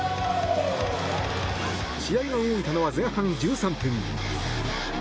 試合が動いたのは前半１３分。